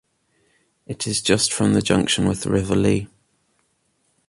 It is just from the junction with the River Lee.